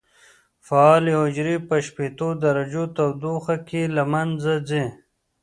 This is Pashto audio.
فعالې حجرې په شپېتو درجو تودوخه کې له منځه ځي.